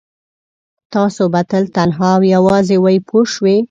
تاسو به تل تنها او یوازې وئ پوه شوې!.